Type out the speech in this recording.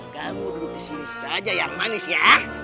kamu duduk disini saja yang manis ya